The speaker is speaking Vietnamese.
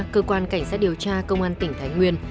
cơ quan cảnh sát điều tra công an tỉnh thái nguyên